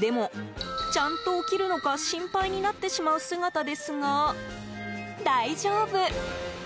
でも、ちゃんと起きるのか心配になってしまう姿ですが大丈夫。